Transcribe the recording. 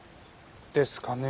ですかね。